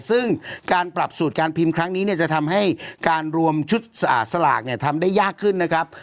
ซึ่งการปรับสูตรการพิมพ์ครั้งนี้เนี่ยจะทำให้การรวมชุดสลากเนี่ยทำได้ยากขึ้นนะครับ